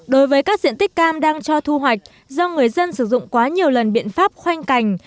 đối với các diện tích cam đang cho thu hoạch do người dân sử dụng quá nhiều lần biện pháp khoanh cành